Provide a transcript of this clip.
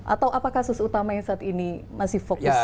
atau apa kasus utama yang saat ini masih fokus